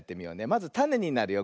まずたねになるよ。